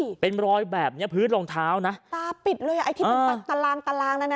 อืมเป็นรอยแบบเนี้ยพื้นรองเท้านะตาปิดเลยอ่ะไอ้ที่เป็นตารางตารางนั้นน่ะ